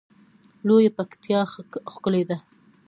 لویه پکتیا ښکلی ده